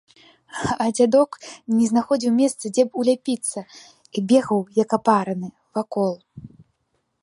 А дзядок не знаходзіў месца, дзе б уляпіцца, і бегаў, як апараны, вакол.